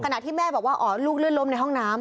ที่แม่บอกว่าอ๋อลูกลื่นล้มในห้องน้ำ